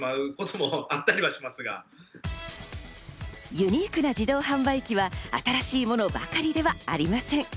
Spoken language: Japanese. ユニークな自動販売機は新しいものばかりではありません。